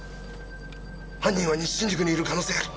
犯人は西新宿にいる可能性あり。